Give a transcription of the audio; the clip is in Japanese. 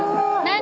何？